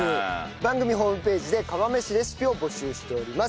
番組ホームページで釜飯レシピを募集しております。